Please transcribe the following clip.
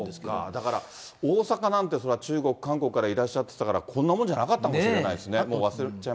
だから、大阪なんてそりゃ、中国、韓国からいらっしゃってたから、こんなもんじゃなかったかもしれないですね、もう忘れちゃ